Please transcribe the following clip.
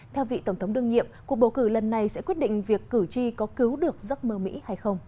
theo vị tổng thống đương nhiệm cuộc bầu cử lần này sẽ quyết định việc cử tri có cứu được giấc mơ mỹ hay không